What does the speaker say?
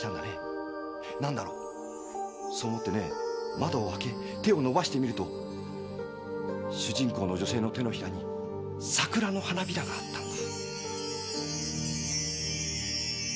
窓を開け手を伸ばしてみると主人公の女性の手のひらに桜の花びらがあったんだ。